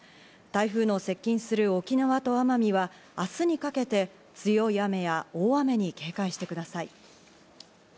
台風の接近する沖縄と奄美は明日にかけて強い雨や大雨に警戒してください。